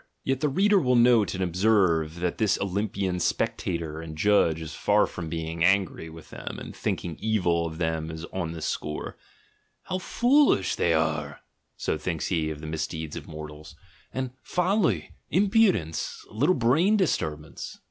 Yet the reader will note and observe that this Olympian spectator and judge is far from being angry with them and thinking evil of them on this score. "How joolisJi they are," so thinks he of the misdeeds of mortals — and "folly," "imprudence," "a little brain disturbance."